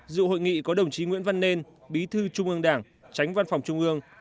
dự hội nghị có đồng chí nguyễn văn nên bí thư trung ương đảng tránh văn phòng trung ương